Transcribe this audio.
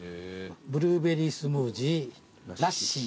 ブルーベリースムージーラッシー。